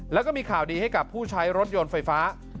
แล้วก็มีข่าวดีให้กับผู้ใช้รถยนต์ไฟฟ้า